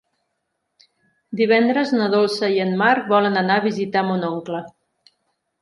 Divendres na Dolça i en Marc volen anar a visitar mon oncle.